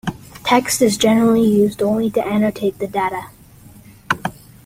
Text is generally used only to annotate the data.